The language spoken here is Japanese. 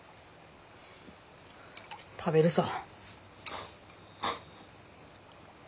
食べるさ。